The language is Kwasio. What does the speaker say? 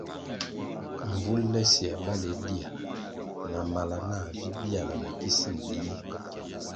Mvul le siē baleh dia na mala nah vi biala na kisin biyi.